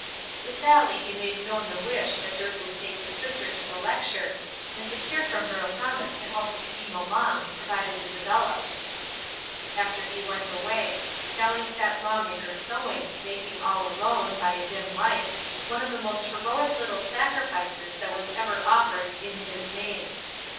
To Sallie he made known the wish that Dirk would take his sister to the lecture, and secured from her a promise to help the scheme along, provided it developed. After he went away, Sallie sat long at her sewing, making all alone, by a dim light, one of the most heroic little sacrifices that was ever offered "in His name."